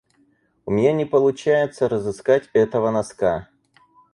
У меня не получается разыскать этого носка.